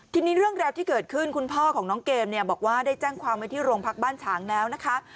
ทีนี้เรื่องราวที่เกิดขึ้นคุณพ่อของน้องเกมเนี่ยบอกว่าได้แจ้งความไว้ที่โรงพักบ้านฉางแล้วนะคะ